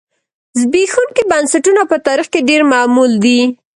زبېښونکي بنسټونه په تاریخ کې ډېر معمول دي